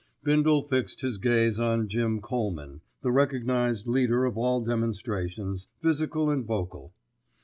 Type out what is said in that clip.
Bindle fixed his gaze on Jim Colman, the recognised leader of all demonstrations, physical and vocal.